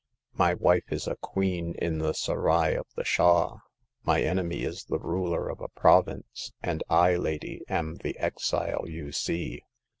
My wife is a queen in the serail of the Shah ; my enemy is the ruler of a province ; and I, lady, am the exile you see.